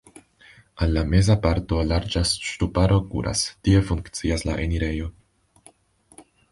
Al la meza parto larĝa ŝtuparo kuras, tie funkcias la enirejo.